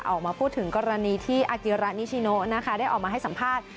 ออกมาพูดถึงกรณีที่อากิระนิชิโนนะคะได้ออกมาให้สัมภาษณ์